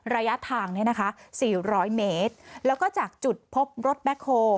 ระยะทางเนี่ยนะคะสี่ร้อยเมตรแล้วก็จากจุดพบรถแบ็คโฮ